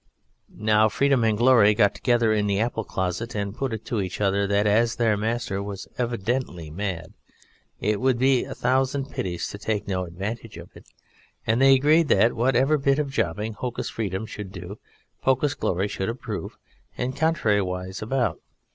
Now Freedom and Glory got together in the apple closet and put it to each other that, as their master was evidently mad it would be a thousand pities to take no advantage of it, and they agreed that whatever bit of jobbing Hocus Freedom should do, Pocus Glory should approve; and contrariwise about.